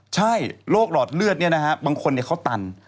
ใช่โรคหลอดเลือดบางคนเขาตัน